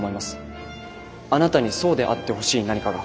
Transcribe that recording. あなたにそうであってほしい何かが。